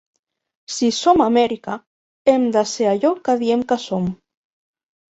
Si som Amèrica, hem de ser allò que diem que som.